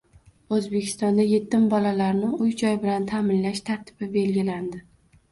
O‘zbekistonda yetim bolalarni uy-joy bilan ta’minlash tartibi belgilandi